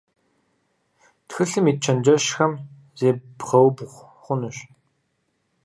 Тхылъым ит чэнджэщхэм зебгъэубгъу хъунущ.